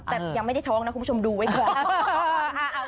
แต่ยังไม่ได้ท้องนะคุณผู้ชมดูไว้ก่อน